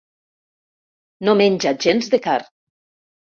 No menja gens de carn.